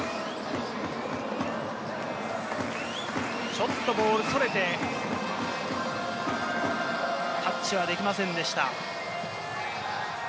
ちょっとボールそれて、タッチはできませんでした。